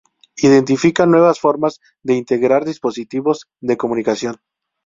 Identifica nuevas formas de integrar dispositivos de comunicación.